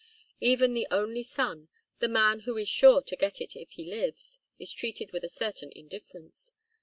Even the only son, the man who is sure to get it if he lives, is treated with a certain indifference.